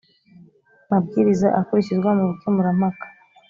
mabwiriza akurikizwa mu bukemurampaka